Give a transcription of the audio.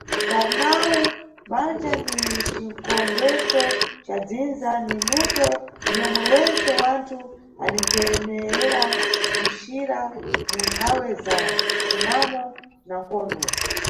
Sarnau, banja ni cikondweso ca dzinza, ni mbuto yomwe wentse wanthu anithemera kucira mu nthawe za msunamo na mkondwo.